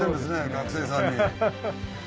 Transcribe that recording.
学生さんに。